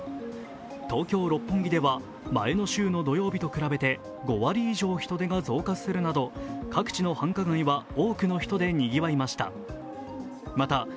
東京・六本木では前の週の土曜日と比べて５割以上人出が増加するなど各地の繁華街は多くの人でにぎわいました。